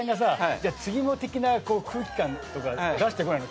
「じゃあ次も」的な空気感とか出してこないの？